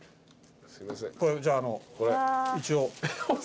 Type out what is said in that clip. これじゃああの一応。